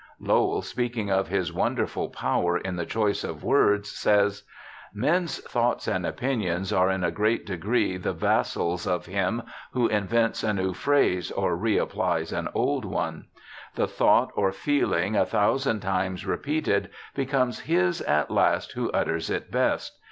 Lowell, speaking of his wonderful power in the choice of words, says : 46 BIOGRAPHICAL ESSAYS * Men's thoughts and opinions are in a great degree the vassals of him who invents a new phrase or re appUes an old one. The thought or feeling a thousand times repeated becomes his at last who utters it best.